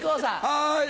はい。